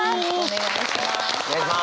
お願いします。